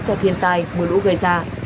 do thiên tai mưa lũ gây ra